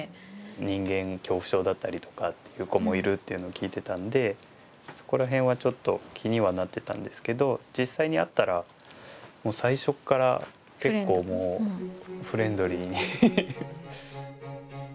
人間恐怖症だったりとかっていう子もいるっていうのを聞いてたんでそこら辺はちょっと気にはなってたんですけど実際に会ったら最初っから結構もうフレンドリーに。